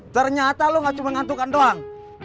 ternyata lo gak cuma ngantukan doang